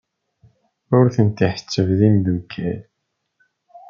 Ur ten-ḥsibeɣ d imeddukal.